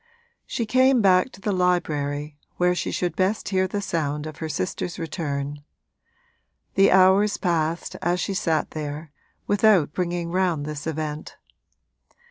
She came back to the library, where she should best hear the sound of her sister's return; the hours passed as she sat there, without bringing round this event.